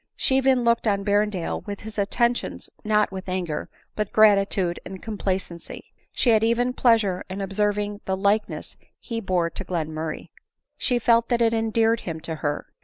She even looked on Berrendale and his atten tions not with eager, but gratitude and complacency ; she had even pleasure in observing the likeness he bore Glenr murray ; she felt that it endeared him to her.